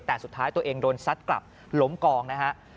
แต่สุดท้ายตัวเองโดนซัดกลับล้มกองนะฮะ